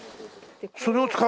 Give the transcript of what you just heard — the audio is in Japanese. それを使うの？